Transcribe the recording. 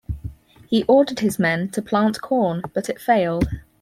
He ordered his men to plant corn but it failed.